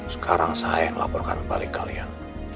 sekarang saya melaporkan balik kalian